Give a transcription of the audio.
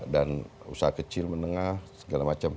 dan usaha kecil menengah segala macam